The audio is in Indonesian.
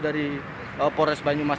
dari polres banyumas